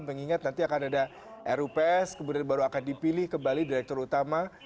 mengingat nanti akan ada rups kemudian baru akan dipilih kembali direktur utama